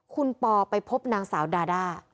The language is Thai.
คุณปอไปพบนางสาวดาด้า